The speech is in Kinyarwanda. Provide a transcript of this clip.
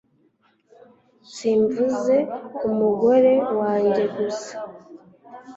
Simvuze ku mugore wanjye gusa